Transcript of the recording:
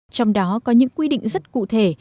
trong đó có những quy định rất cụ thể